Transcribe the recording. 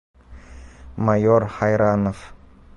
Майор һайранов!